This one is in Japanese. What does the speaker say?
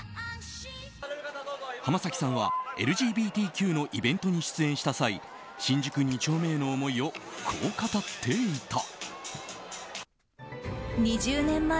浜崎さんはＬＧＢＴＱのイベントに出演した際新宿二丁目への思いをこう語っていた。